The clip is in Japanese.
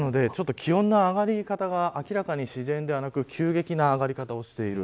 なので、気温の上がり方が明らかに自然ではなく急激な上がり方をしている。